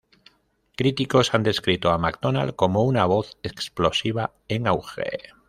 Críticos han descrito a Macdonald cómo una voz explosiva en auge.